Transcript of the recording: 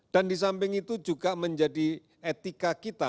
dan di samping itu juga menjadi etika kita